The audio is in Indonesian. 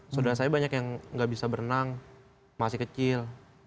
saudara saya banyak yang nggak bisa berenang masih kecil